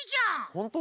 ほんとう？